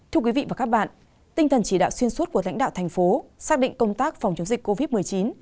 thưa quý vị và các bạn tinh thần chỉ đạo xuyên suốt của lãnh đạo thành phố xác định công tác phòng chống dịch covid một mươi chín